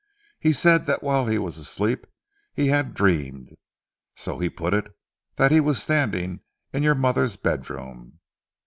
He said that while asleep he had dreamed so he put it that he was standing in your mother's bedroom.